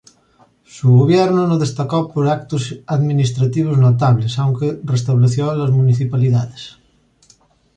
Su gobierno no destacó por actos administrativos notables, aunque restableció las municipalidades.